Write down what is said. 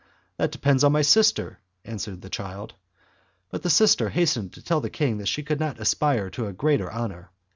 "That depends upon my sister," answered the child. But the sister hastened to tell the king that she could not aspire to a greater honour.